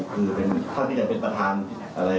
คือเท่าที่จะเป็นประธานอะไร